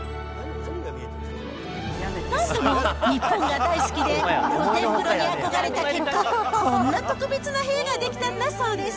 なんでも、日本が大好きで、露天風呂に憧れた結果、こんな特別な部屋が出来たんだそうです。